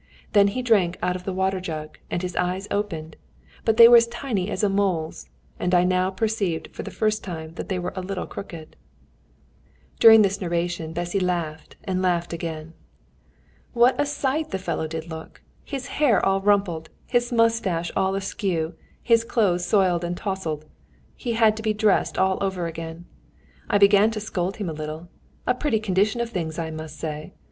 Then he drank out of the water jug, and his eyes opened, but they were as tiny as a mole's, and I now perceived for the first time that they were a little crooked." During this narration Bessy laughed and laughed again. "What a sight the fellow did look! his hair all rumpled, his moustache all askew, his clothes soiled and tousled. He had to be dressed all over again. I began to scold him a little, 'A pretty condition of things, I must say!'